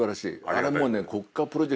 あれもう。